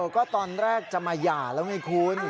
ก็ตอนแรกจะมาหย่านะคุณ